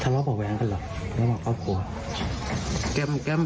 ทะเลาะบอกแวงกันเหรอแล้วบอกครอบครัว